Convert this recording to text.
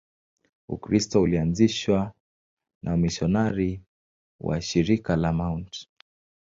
Ukristo ulianzishwa na wamisionari wa Shirika la Mt.